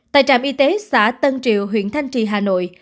tại trạm y tế xã tân triều huyện thanh trì hà nội